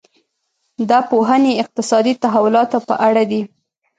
دا پوهنې اقتصادي تحولاتو په اړه دي.